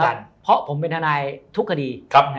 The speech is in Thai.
แน่นอนครับเพราะผมเป็นทนายทุกคดี